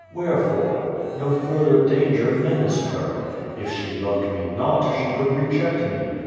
Wherefore? No further danger menaced her. If she loved me not, she could reject me.